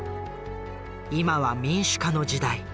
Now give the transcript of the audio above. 「今は民主化の時代